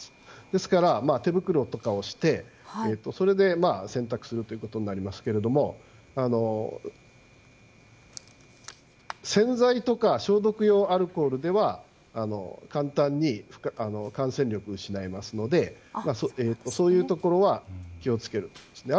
ですから、手袋とかをして洗濯するということになりますが洗剤とか消毒用アルコールでは簡単に感染力を失いますのでそういうところは気を付けることですね。